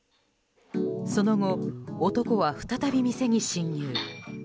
その後、男は再び店に侵入。